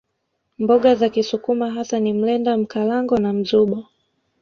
Mboga za kisukuma hasa ni mlenda Mkalango na mzubo